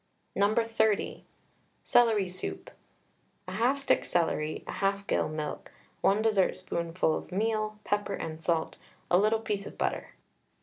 No. 30. CELERY SOUP. 1/2 stick celery, 1/2 gill milk, 1 dessertspoonful of meal, pepper and salt, a little piece of butter.